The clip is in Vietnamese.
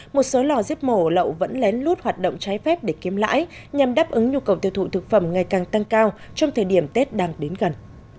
một số lò giết mổ lậu vẫn lén lút hoạt động trái phép để kiếm lãi nhằm đáp ứng nhu cầu tiêu thụ thực phẩm ngày càng tăng cao trong thời điểm tết đang đến gần